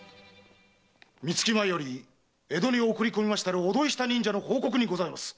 三月前より江戸に送り込みました御土居下忍者の報告にござる。